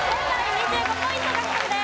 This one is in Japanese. ２５ポイント獲得です。